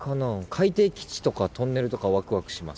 海底基地とかトンネルとかわくわくします。